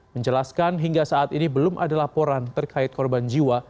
menjelaskan hingga saat ini belum ada laporan terkait korban jiwa